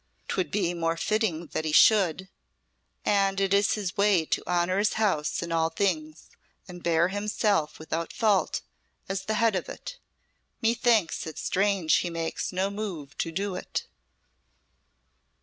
"'Twould be more fitting that he should; and it is his way to honour his house in all things, and bear himself without fault as the head of it. Methinks it strange he makes no move to do it."